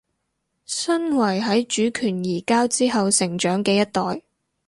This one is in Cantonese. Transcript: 身為喺主權移交之後成長嘅一代